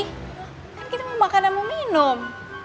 kan kita mau makan dan mau minum